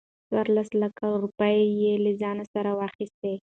څورلس لکه روپۍ يې له ځان سره واخستې.